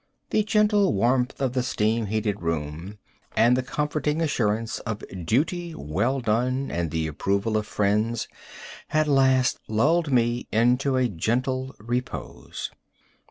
The gentle warmth of the steam heated room, and the comforting assurance of duty well done and the approval of friends, at last lulled me into a gentle repose.